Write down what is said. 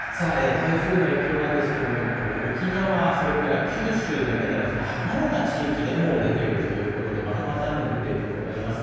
台風の影響なんですけれども、沖縄、それから九州だけではなくて、離れた地域でも出ているということで、まとまった雨の降っている所があります。